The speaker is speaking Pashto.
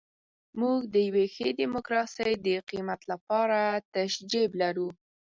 موږ د یوې ښې ډیموکراسۍ د قیمت لپاره تش جیب لرو.